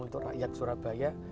untuk rakyat surabaya